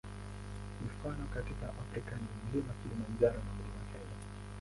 Mifano katika Afrika ni Mlima Kilimanjaro na Mlima Kenya.